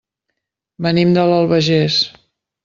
Venim de l'Albagés.